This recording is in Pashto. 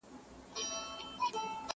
وژني د زمان بادونه ژر شمعي.!.!